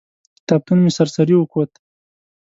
کتابتون مې سر سري وکت.